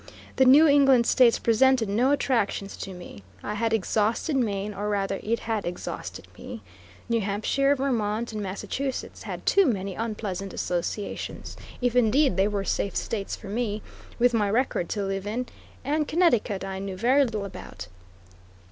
The New England States presented no attractions to me; I had exhausted Maine, or rather it had exhausted me; New Hampshire, Vermont, and Massachusetts had too many unpleasant associations, if indeed they were safe states for me, with my record to live in, and Connecticut I knew very little about.